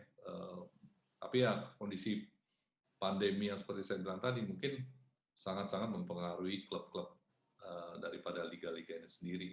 tapi ya kondisi pandemi yang seperti saya bilang tadi mungkin sangat sangat mempengaruhi klub klub daripada liga liga ini sendiri